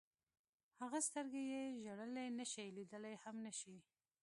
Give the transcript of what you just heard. هغه سترګې چې ژړلی نه شي لیدلی هم نه شي.